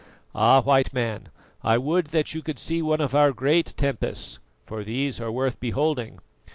Ah! White Man, I would that you could see one of our great tempests, for these are worth beholding.